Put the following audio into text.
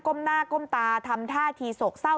หน้าก้มตาทำท่าทีโศกเศร้า